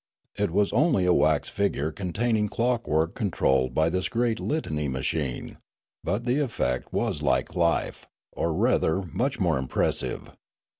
It was only a wax figure containing clockwork controlled by this great litany machine, but the effect was like life, or rather much more impressive.